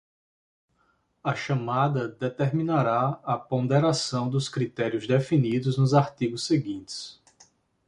A chamada determinará a ponderação dos critérios definidos nos artigos seguintes.